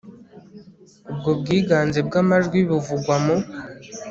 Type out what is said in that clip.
ubwo bwiganze bw amajwi buvugwa mu